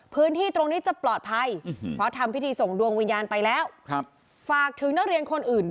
พื้นที่ตรงนี้จะปลอดภัย